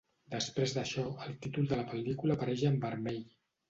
Després d'això, el títol de la pel·lícula apareix en vermell.